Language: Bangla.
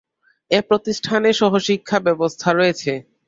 এ প্রতিষ্ঠানে সহ-শিক্ষা ব্যবস্থা রয়েছে।